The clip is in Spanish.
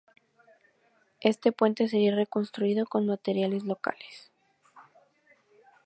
Este puente sería reconstruido con materiales locales.